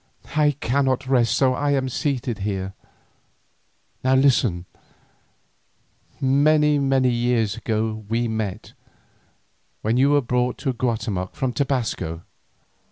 I cannot rest, so I am seated here. Listen. Many, many years ago we met, when you were brought by Guatemoc from Tobasco.